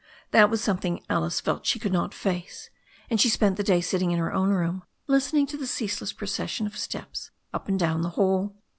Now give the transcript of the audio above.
That was something Alice felt she could not face, and she spent the day sitting in her own room, listening to the cease less procession of steps up and down the hall.